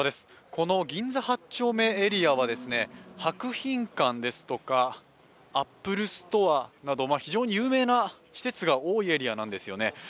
この銀座８丁目エリアは博品館ですとかアップルストアなど非常に有名な施設が多いエリアなんですよね。